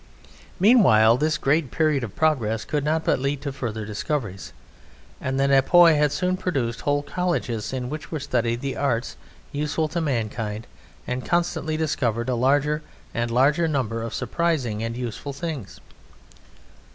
Meanwhile this great period of progress could not but lead to further discoveries, and the Nepioi had soon produced whole colleges in which were studied the arts useful to mankind and constantly discovered a larger and a larger number of surprising and useful things.